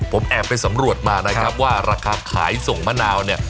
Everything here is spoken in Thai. ผมแอบไปสำรวจมานะครับว่าราคาขายส่งมะนาวเนี่ย